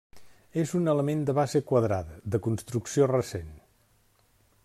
És un element de base quadrada, de construcció recent.